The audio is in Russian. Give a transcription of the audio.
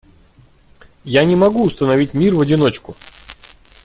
Я не могу установить мир в одиночку.